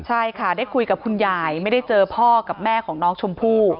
ใช่ค่ะได้คุยกับคุณยายไม่ได้เจอพ่อกับแม่ของน้องชมพู่